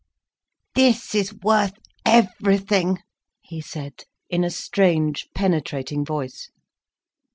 "This is worth everything," he said, in a strange, penetrating voice.